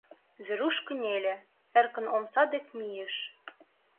Веруш кынеле, эркын омса дек мийыш.